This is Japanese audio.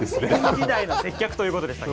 新時代の接客ということでしたけども。